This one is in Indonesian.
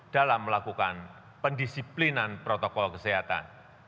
dalam melakukan pendisiplinan protokol kesehatan